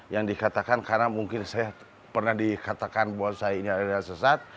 yang dikatakan karena mungkin saya pernah dikatakan bahwa saya ini adalah sesat